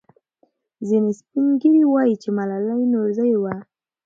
ځینې سپین ږیري وایي چې ملالۍ نورزۍ وه.